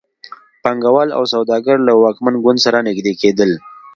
پانګوال او سوداګر له واکمن ګوند سره نږدې کېدل.